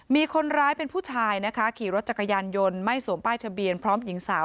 มีคนร้ายเป็นผู้ชายนะคะขี่รถจักรยานยนต์ไม่สวมป้ายทะเบียนพร้อมหญิงสาว